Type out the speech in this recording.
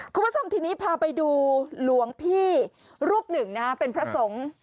คุณผู้ชมทีนี้พาไปดูหลวงพี่รูปหนึ่งนะฮะเป็นพระสงฆ์